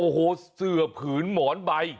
โอ้โหเสือผืนหมอนใบ